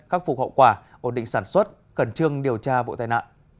khắc phục hậu quả ổn định sản xuất cẩn trương điều tra vụ tai nạn